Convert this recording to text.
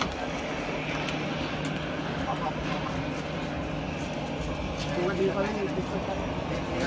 สุดท้ายสุดท้ายสุดท้าย